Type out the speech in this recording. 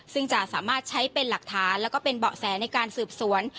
ซึ่งจะสามารถใช้เป็นหลักฐานแล้วก็เป็นเบาะแสในการสืบสวน